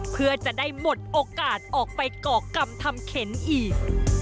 เพื่อจะได้หมดโอกาสออกไปก่อกรรมทำเข็นอีก